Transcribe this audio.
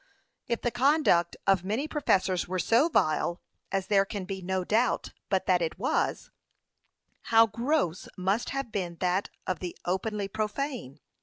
If the conduct of many professors were so vile, as there can be no doubt but that it was, how gross must have been that of the openly profane?